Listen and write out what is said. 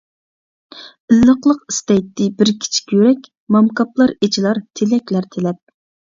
ئىللىقلىق ئىستەيتتى بىر كىچىك يۈرەك، مامكاپلار ئېچىلار تىلەكلەر تىلەپ.